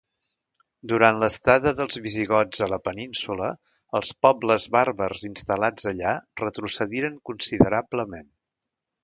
Durant l'estada dels visigots a la península, els pobles bàrbars instal·lats allà retrocediren considerablement.